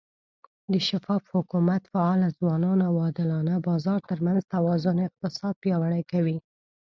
د شفاف حکومت، فعاله ځوانانو، او عادلانه بازار ترمنځ توازن اقتصاد پیاوړی کوي.